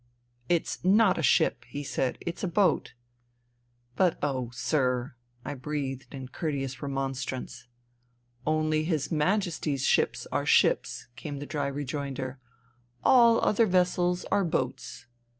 " It's not a ship," he said. " It*s a boat.'* " But, oh ! sir," I breathed in courteous remon strance. " Only His Majesty's ships are ships," came the dry rejoinder. " All other vessels are boats. .